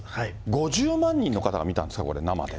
５０万人の方が見たんですか、これ、生で。